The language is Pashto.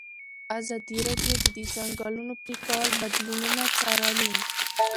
ازادي راډیو د د ځنګلونو پرېکول بدلونونه څارلي.